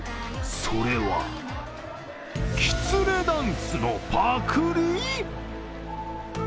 それは、きつねダンスのパクリ？